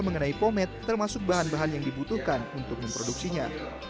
mengenai pomed termasuk bahan bahan yang dibutuhkan untuk memproduksinya